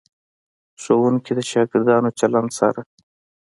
ښوونکي د شاګردانو چلند څارلو.